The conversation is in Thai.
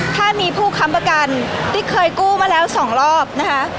ถ้ามีผู้ค้ำประกันที่เคยกู้มาแล้ว๒รอบนะคะ